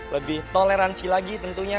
lebih toleransi lagi tentunya